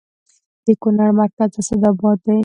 د کونړ مرکز اسداباد دی